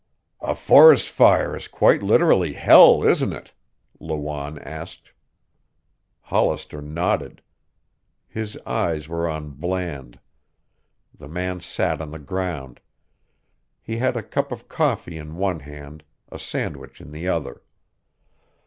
"A forest fire is quite literally hell, isn't it?" Lawanne asked. Hollister nodded. His eyes were on Bland. The man sat on the ground. He had a cup of coffee in one hand, a sandwich in the other.